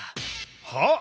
はっ！？